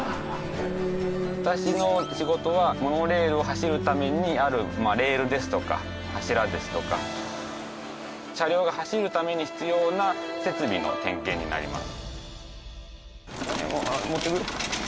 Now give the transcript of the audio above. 私の仕事はモノレールを走るためにあるレールですとか柱ですとか車両が走るために必要な設備の点検になります。